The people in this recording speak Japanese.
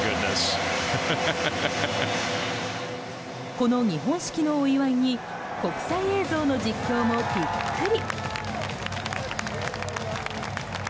この日本式のお祝いに国際映像の実況もビックリ。